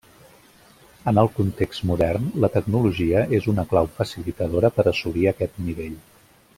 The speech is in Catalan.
En el context modern, la tecnologia és una clau facilitadora per assolir aquest nivell.